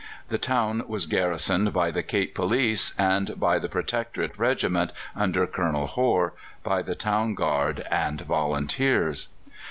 The town was garrisoned by the Cape Police and by the Protectorate Regiment, under Colonel Hore, by the Town Guard, and volunteers.